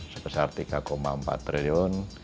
sebesar tiga empat triliun